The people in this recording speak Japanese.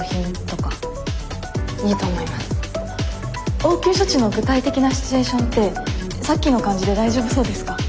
応急処置の具体的なシチュエーションってさっきの感じで大丈夫そうですか？